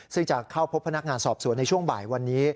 ซึ่งจะเข้าพบพนักงานสอบสวนในช่วงบ่ายวันนี้